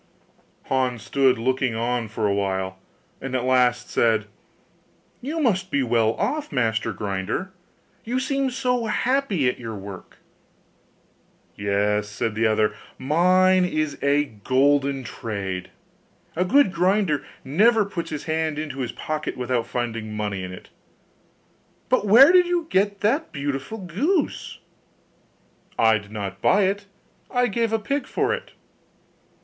Hans stood looking on for a while, and at last said, 'You must be well off, master grinder! you seem so happy at your work.' 'Yes,' said the other, 'mine is a golden trade; a good grinder never puts his hand into his pocket without finding money in it but where did you get that beautiful goose?' 'I did not buy it, I gave a pig for it.